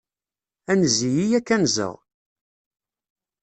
Anez-iyi, ad k-anzeɣ.